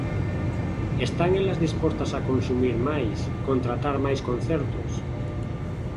Están elas dispostas a consumir máis, contratar máis concertos?